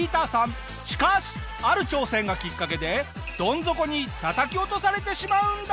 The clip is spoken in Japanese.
しかしある挑戦がきっかけでドン底にたたき落とされてしまうんだ！